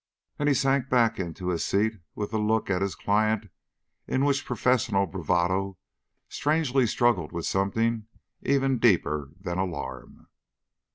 And he sank back into his seat with a look at his client in which professional bravado strangely struggled with something even deeper than alarm.